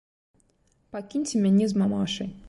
Пакіньце мяне з мамашай.